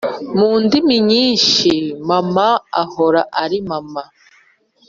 Mundimi nyinshi mama ahora ari mama